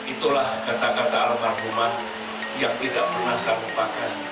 itulah kata kata almarhumah yang tidak pernah saya lupakan